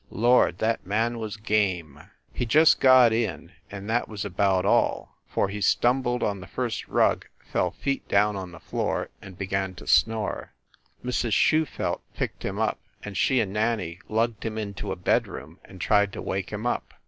Lord, that man was game! He just got in, and that was about all, for he stumbled on the first rug, fell feet down on the floor and began to snore. Mrs. Schufelt picked him up, and she and Nanny lugged him into a bed room and tried to wake him up.